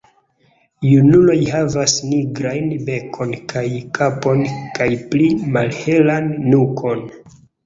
Junuloj havas nigrajn bekon kaj kapon kaj pli malhelan nukon.